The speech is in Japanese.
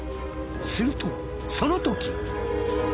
するとそのとき。